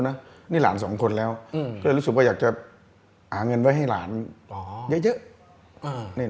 ตอนนี้หลาน๒คนแล้วก็อยากจะหาเงินไว้ให้หลานเยอะ